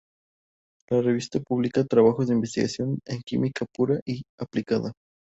La revista publica trabajos de investigación en química pura y aplicada.